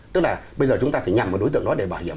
tức là bây giờ chúng ta phải nhằm vào đối tượng đó để bảo hiểm